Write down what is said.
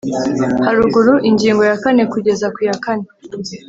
haruguru ingingo ya kane kugeza ku ya kane